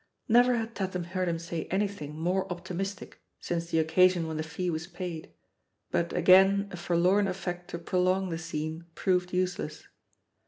Never had Tatham heard him say anything more optimistic since the occasion when the fee was paid. But again a forlorn effort to prolong the scene proved useless.